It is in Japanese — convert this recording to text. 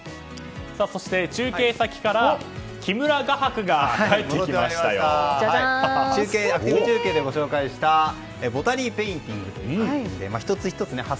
そして、中継先から木村画伯がアクティブ中継でもご紹介したボタニーペインティングです。